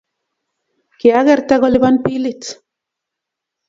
kiakerte kulipan bilit.